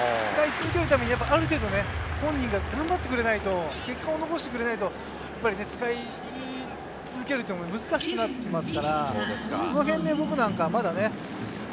使い続けるためにある程度、本人が頑張ってくれないと、結果を残してくれないと、使い続けるというのは難しくなってきますから、そのへん僕なんか、まだね。